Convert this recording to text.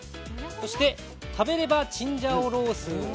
そして「食べればチンジャオロースー」。